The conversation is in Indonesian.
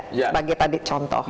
sebagai tadi contoh